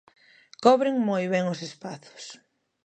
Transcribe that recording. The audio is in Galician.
Cobren moi ben os espazos.